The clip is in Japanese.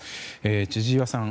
千々岩さん。